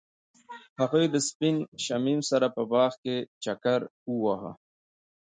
هغوی د سپین شمیم سره په باغ کې چکر وواهه.